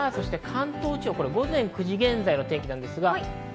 関東地方、午前９時現在の天気です。